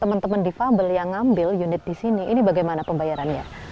teman teman difabel yang ngambil unit di sini ini bagaimana pembayarannya